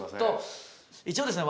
一応ですね